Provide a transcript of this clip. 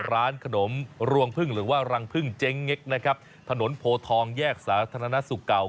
ร้านขนมรวงพึ่งหรือว่ารังพึ่งเจ๊งเง็กนะครับถนนโพทองแยกสาธารณสุขเก่า